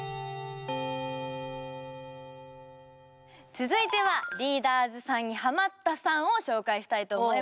続いてはリーダーズさんにハマったさんを紹介したいと思います。